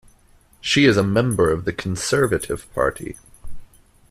She is a member of the Conservative Party.